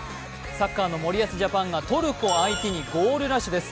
サッカーの森保ジャパンがトルコを相手にゴールラッシュです。